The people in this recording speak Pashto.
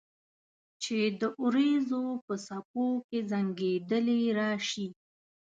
چې د اوریځو په څپو کې زنګیدلې راشي